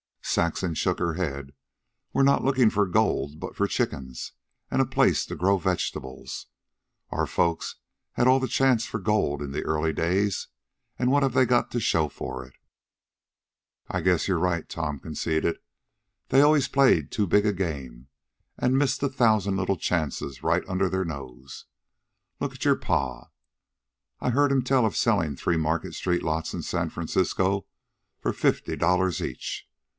Saxon shook her head. "We're not looking for gold but for chickens and a place to grow vegetables. Our folks had all the chance for gold in the early days, and what have they got to show for it?" "I guess you're right," Tom conceded. "They always played too big a game, an' missed the thousand little chances right under their nose. Look at your pa. I've heard him tell of selling three Market street lots in San Francisco for fifty dollars each.